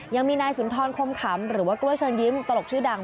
ยังมีนายสุนทรคมขำหรือว่ากล้วยเชิญยิ้มตลกชื่อดัง